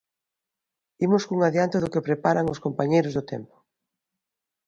Imos cun adianto do que preparan os compañeiros do tempo.